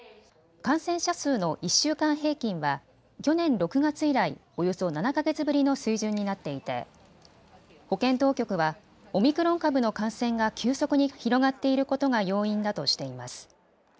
感染者数の１週間平均は去年６月以来、およそ７か月ぶりの水準になっていて保健当局はオミクロン株の感染が急速に広がっていることが要因だとしています。